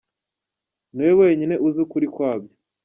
Ni wowe wenyine uzi ukuri kwa byo!